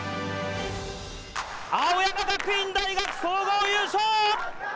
青山学院大学、総合優勝。